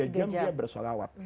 tiga jam dia bersholawat